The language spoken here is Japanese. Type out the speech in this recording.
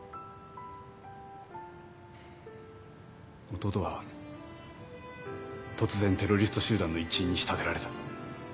弟は突然テロリスト集団の一員に仕立てられた。